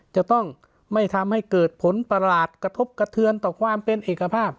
จะต้องไม่ทำให้เกิดผลประหลาดกระทบกระเทือนต่อความเป็นเอกภาพ